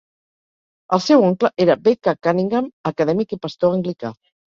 El seu oncle era B. K. Cunningham, acadèmic i pastor anglicà.